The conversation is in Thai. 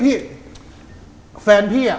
บางคนก็สันนิฐฐานว่าแกโดนคนติดยาน่ะ